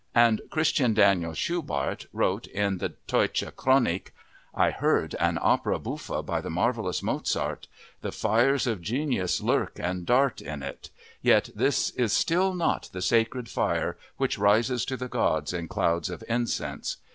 And Christian Daniel Schubart wrote in the Teutsche Chronik: "I heard an opera buffa by the marvelous Mozart. The fires of genius lurk and dart in it. Yet this is still not the sacred fire which rises to the gods in clouds of incense.